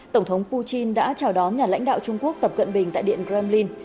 tổng thống putin đã chào đón nhà lãnh đạo trung quốc tập cận bình tại điện kremlin